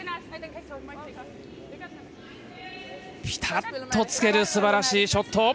ピタッとつけるすばらしいショット。